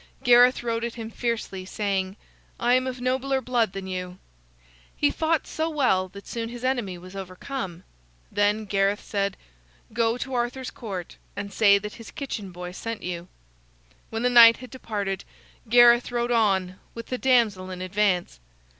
Gareth rode at him fiercely, saying: "I am of nobler blood than you." He fought so well that soon his enemy was overcome. Then Gareth said: "Go to Arthur's Court and say that his kitchen boy sent you." When the knight had departed, Gareth rode on, with the damsel in advance.